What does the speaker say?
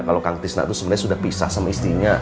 kalau kang tisna itu sebenarnya sudah pisah sama istrinya